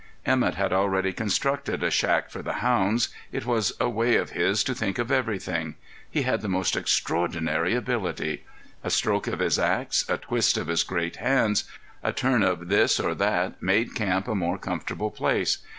Emett had already constructed a shack for the hounds. It was a way of his to think of everything. He had the most extraordinary ability. A stroke of his axe, a twist of his great hands, a turn of this or that made camp a more comfortable place.